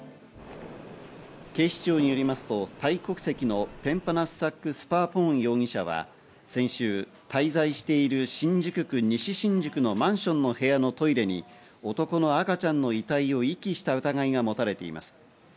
警視庁によりますと、タイ国籍のペンパナッサック・スパーポーン容疑者は先週滞在している、新宿区西新宿のマンションの部屋のトイレに男の赤ちゃんの遺体を遺棄した疑いが持たれています。